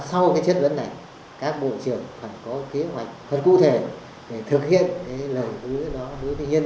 sau cái chất vấn này các bộ trưởng phải có kế hoạch thật cụ thể để thực hiện cái lời hứa đó đối với nhân dân